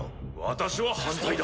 私は反対だ。